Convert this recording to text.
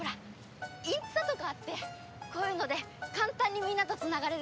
インツタとかあってこういうので簡単にみんなとつながれるの。